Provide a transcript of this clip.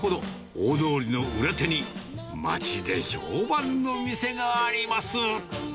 大通りの裏手に、街で評判の店があります。